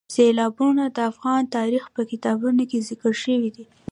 سیلابونه د افغان تاریخ په کتابونو کې ذکر شوی دي.